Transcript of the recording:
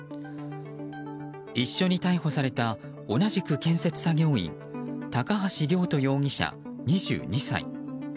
一緒に逮捕された同じく建設作業員高橋稜人容疑者、２２歳。